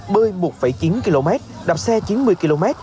bơi một chín km đạp xe chín mươi km